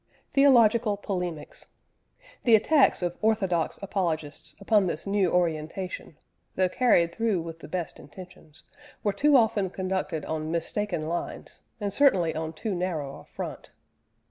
THEOLOGICAL POLEMICS. The attacks of orthodox apologists upon this new orientation, though carried through with the best intentions, were too often conducted on mistaken lines and certainly on too narrow a front.